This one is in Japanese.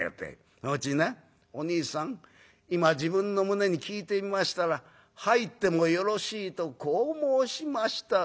そのうちにな『おにいさん今自分の胸に聞いてみましたら入ってもよろしいとこう申しました』ってやんだよ！」。